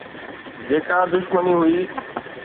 جيڪا دشمني هئي